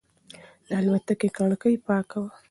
د الوتکې کړکۍ پاکه وه.